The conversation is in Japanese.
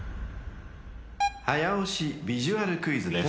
［早押しビジュアルクイズです］